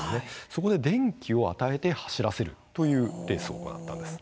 そこで電気を与えて走らせるというレースを行ったんです。